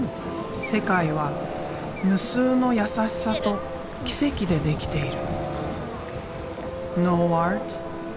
世界は無数のやさしさと奇跡でできている。